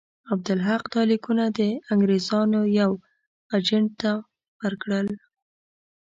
عبدالحق دا لیکونه د انګرېزانو یوه اجنټ ته ورکړل.